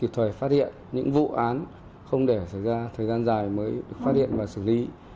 chúng ta sẽ có thể tìm hiểu hơn và xử lý những vụ án không để thời gian dài mới phát hiện và xử lý